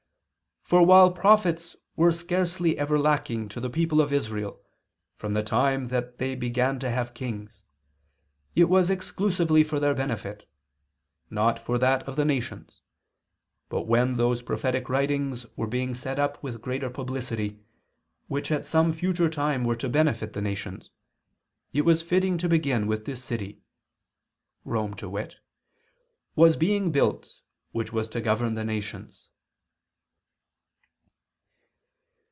"For while prophets were scarcely ever lacking to the people of Israel from the time that they began to have kings, it was exclusively for their benefit, not for that of the nations. But when those prophetic writings were being set up with greater publicity, which at some future time were to benefit the nations, it was fitting to begin when this city," Rome to wit, "was being built, which was to govern the nations."